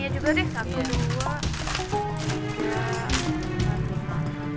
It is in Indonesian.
jadi satu lusin